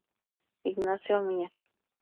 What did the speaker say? Ignacio Mier.